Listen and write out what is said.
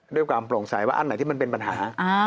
ด้วยความโปร่งใสว่าอันไหนที่มันเป็นปัญหา